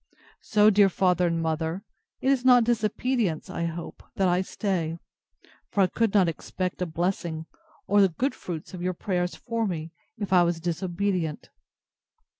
So, dear father and mother, it is not disobedience, I hope, that I stay; for I could not expect a blessing, or the good fruits of your prayers for me, if I was disobedient.